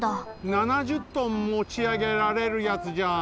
７０トンもちあげられるやつじゃん！